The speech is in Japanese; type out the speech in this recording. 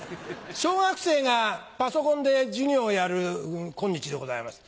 小学生がパソコンで授業をやる今日でございます。